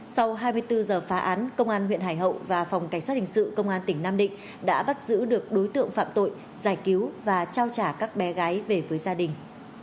sau hai mươi bốn giờ phá án công an huyện hải hậu và phòng cảnh sát hình sự công an tỉnh nam định đã bắt giữ được đối tượng phạm tội giải cứu và trao trả các bé gái về với gia đình